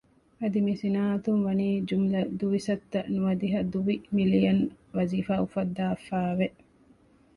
އަދި މި ޞިނާޢަތުން ވަނީ ޖުމުލަ ދުވިސައްތަ ނުވަދިހަ ދުވި މިލިއަން ވަޒީފާ އުފައްދާފައި ވެ